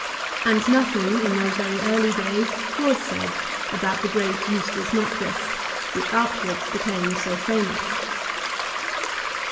And nothing in those very early days was said about the great Eustace necklace, which afterwards became so famous.